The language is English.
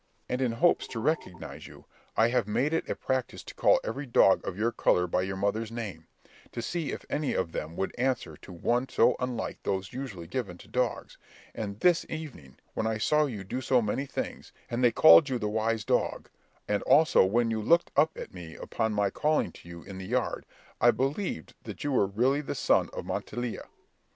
And in hopes to recognise you, I have made it a practice to call every dog of your colour by your mother's name, to see if any of them would answer to one so unlike those usually given to dogs; and, this evening, when I saw you do so many things, and they called you the wise dog, and also when you looked up at me upon my calling to you in the yard, I believed that you were really the son of Montiela.